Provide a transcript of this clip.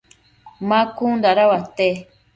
ma cun dada uate ?